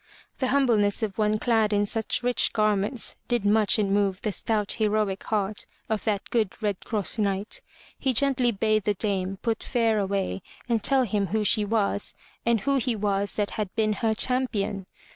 " The humbleness of one clad in such rich garments did much enmove the stout heroic heart of that good Red Cross Knight. He gently bade the dame put fear away and tell him who she was, and who he was that had been her champion.